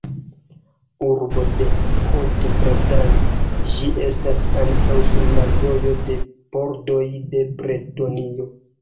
Urbo de Haute-Bretagne, ĝi estas ankaŭ sur la vojo de pordoj de Bretonio.